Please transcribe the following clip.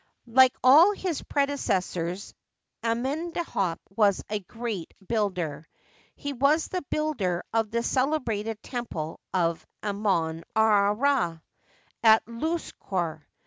Like all his predecessors, Amenhdtep was a great builder. He was the builder of the celebrated temple of Amon Ra, at Louqsor.